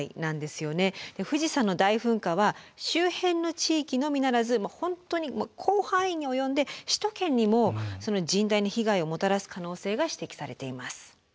富士山の大噴火は周辺の地域のみならず本当に広範囲に及んで首都圏にも甚大な被害をもたらす可能性が指摘されています。